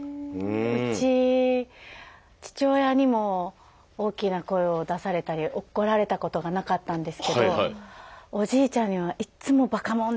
うち父親にも大きな声を出されたり怒られたことがなかったんですけどおじいちゃんにはいっつも「ばかもん」